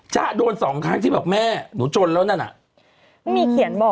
จ๊ะโดน๒ครั้งที่แบบแม่หนูจนแล้วนั่น